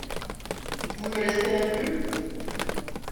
Vous ne l’espérez plus ?…